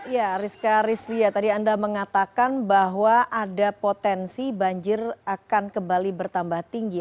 ya rizka rizlia tadi anda mengatakan bahwa ada potensi banjir akan kembali bertambah tinggi